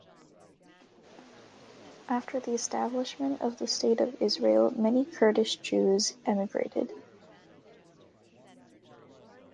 After the establishment of the State of Israel, many Kurdish Jews emigrated.